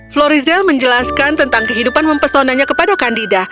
florizel menjelaskan tentang kehidupan mempesonannya kepada candida